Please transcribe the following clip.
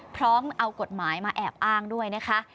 พร้อมเอากฎหมายมาแอบอ้างด้วยนะคะ